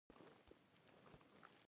فوټوشاپ کې هر لېیر د تصور یوه برخه ده.